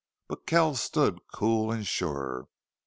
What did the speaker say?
But Kells stood cool and sure.